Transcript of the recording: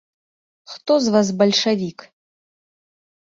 Хто з вас бальшавік?